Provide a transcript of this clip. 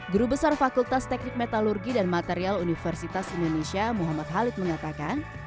guru besar fakultas teknik metalurgi dan material universitas indonesia muhammad khalid mengatakan